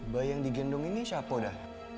bayi yang digendong ini siapa dah